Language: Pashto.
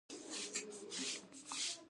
لږ احتیاط په کار دی.